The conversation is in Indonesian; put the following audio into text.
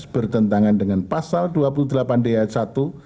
bertentangan dengan pasal dua puluh delapan d ayat satu